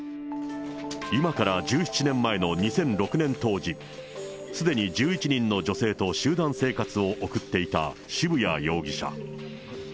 今から１７年前の２００６年当時、すでに１１人の女性と集団生活を送っていた渋谷容疑者。